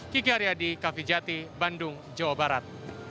kiki aryadi kavijati bandung jawa barat